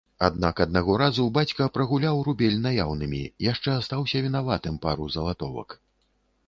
Аднак аднаго разу бацька прагуляў рубель наяўнымі, яшчэ астаўся вінаватым пару залатовак.